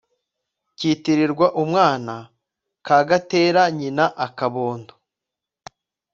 kitirirwa umwana kagatera nyina akabondo